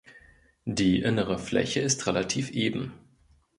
Die innere Fläche ist relativ eben.